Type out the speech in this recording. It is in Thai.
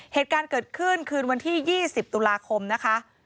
เหตุการณ์เกิดขึ้นคืนวันที่๒๐ตุลาคมนะคะ